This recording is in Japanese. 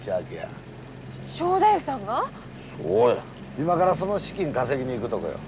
今からその資金稼ぎに行くとこよ。